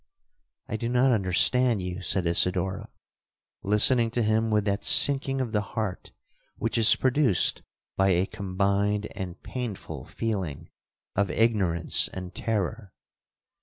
'—'I do not understand you,' said Isidora, listening to him with that sinking of the heart which is produced by a combined and painful feeling of ignorance and terror.